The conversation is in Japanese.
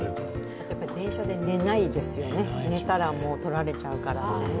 あと電車で寝ないですよね、寝たらもうとられちゃうからってね。